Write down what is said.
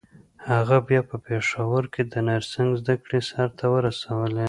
هغه بيا په پېښور کې د نرسنګ زدکړې سرته ورسولې.